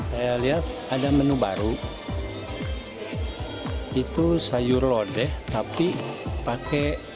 saya lihat ada menu baru itu sayur lodeh tapi pakai